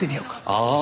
ああ！